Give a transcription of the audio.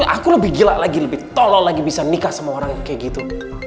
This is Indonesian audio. aku lebih gila lagi lebih tolong lagi bisa nikah sama orang yang kayak gitu